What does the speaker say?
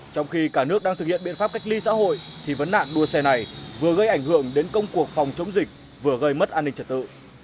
trong khi cả nước đang thực hiện biện pháp cách ly xã hội thì vấn nạn đua xe này vừa gây ảnh hưởng đến công cuộc phòng chống dịch vừa gây mất an ninh trật tự